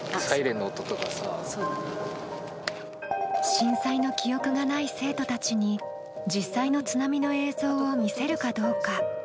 震災の記憶がない生徒たちに実際の津波の映像を見せるかどうか。